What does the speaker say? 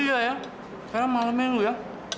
oh iya ya sekarang malam menu ya